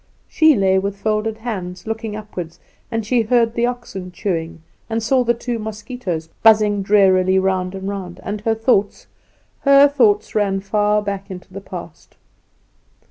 She lay with folded hands, looking upward; and she heard the oxen chewing, and she saw the two mosquitoes buzzing drearily round and round, and her thoughts her thoughts ran far back into the past.